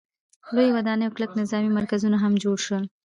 لویې ودانۍ او کلک نظامي مرکزونه هم جوړ شول.